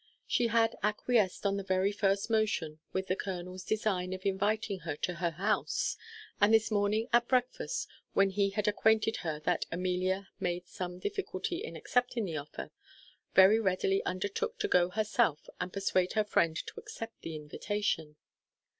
She had acquiesced on the very first motion with the colonel's design of inviting her to her house; and this morning at breakfast, when he had acquainted her that Amelia made some difficulty in accepting the offer, very readily undertook to go herself and persuade her friend to accept the invitation.